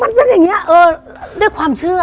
มันเป็นอย่างนี้ด้วยความเชื่อ